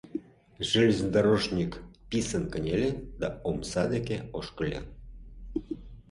Железнодорожник писын кынеле да омса деке ошкыльо.